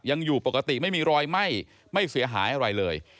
ยังอยู่ปกติไม่มีรอยไหม้ไม่เสียหายอะไรเลย